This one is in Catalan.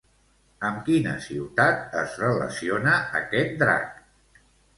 Amb quina ciutat es relaciona aquest drac?